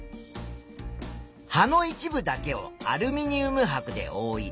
葉の一部だけをアルミニウムはくでおおい